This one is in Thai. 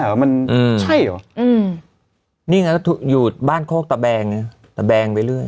อ๋อมันอืมใช่เหรออืมนี่ไงอยู่บ้านโคกตะแบงเนี้ยตะแบงไปเรื่อย